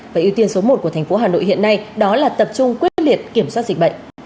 và ưu tiên số một của thành phố hà nội hiện nay đó là tập trung quyết liệt kiểm soát dịch bệnh